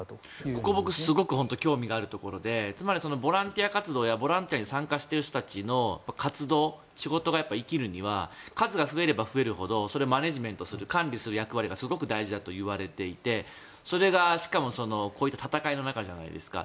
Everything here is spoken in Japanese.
ここ、僕すごく興味があるところでつまりボランティア活動やボランティアに参加している人たちの活動仕事が生きるには数が増えれば増えるほどマネジメントする管理する役割がすごく大事だといわれていてそれがしかも、こういった戦いの中じゃないですか。